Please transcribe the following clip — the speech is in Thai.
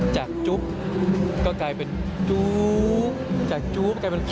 จุ๊บก็กลายเป็นจู๊จากจู๊กลายเป็น